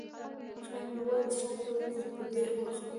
خیر مې وویل څوک به وي په دې وخت.